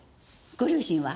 ご両親は？